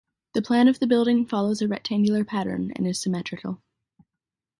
The plan of the building follows a rectangular pattern and is symmetrical.